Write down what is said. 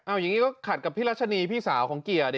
อย่างนี้ก็ขัดกับพี่รัชนีพี่สาวของเกียร์ดิ